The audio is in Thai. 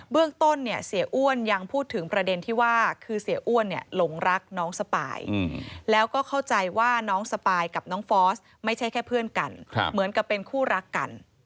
เรื่องต้นเนี่ยเสียอ้วนยังพูดถึงประเด็นที่ว่าคือเสียอ้วนเนี่ยหลงรักน้องสปายแล้วก็เข้าใจว่าน้องสปายกับน้องฟอสไม่ใช่แค่เพื่อนกันเหมือนกับเป็นคู่รักกัน